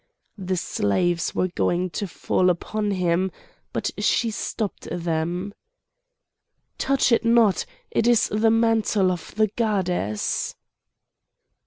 The slaves were going to fall upon him, but she stopped them: "Touch it not! It is the mantle of the goddess!"